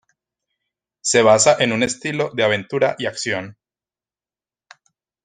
Se basa en un estilo de aventura y acción.